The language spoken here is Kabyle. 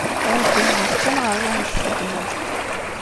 Err ddhen-ik kan ɣer wayen txeddmeḍ.